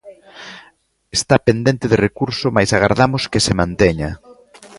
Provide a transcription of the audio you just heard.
"Está pendente de recurso mais agardamos que se manteña".